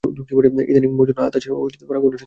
ইদানীং অর্জুন নাতাশা ঘনিষ্ঠতা নাকি আরও বেড়েছে।